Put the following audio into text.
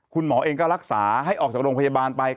คุณหมอเองก็รักษาให้ออกจากโรงพยาบาลไป